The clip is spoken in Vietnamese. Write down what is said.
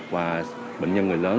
và bệnh nhân người lớn